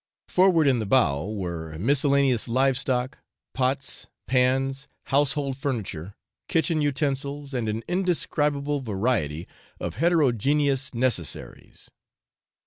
Forward in the bow were miscellaneous live stock, pots, pans, household furniture, kitchen utensils, and an indescribable variety of heterogeneous necessaries.